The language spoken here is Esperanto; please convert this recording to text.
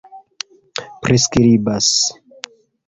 priskribas